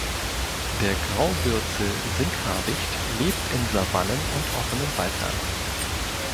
Der Graubürzel-Singhabicht lebt in Savannen und offenem Waldland.